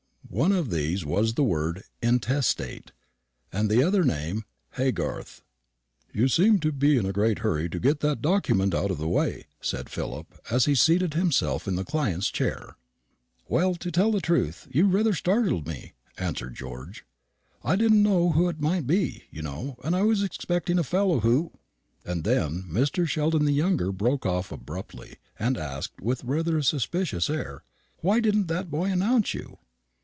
One of these was the word INTESTATE, and the other the name HAYGARTH. "You seem in a great hurry to get that document out of the way," said Philip, as he seated himself in the client's chair. "Well, to tell the truth, you rather startled me," answered George. "I didn't know who it might be, you know; and I was expecting a fellow who " And then Mr. Sheldon the younger broke off abruptly, and asked, with rather a suspicious air, "Why didn't that boy announce you?"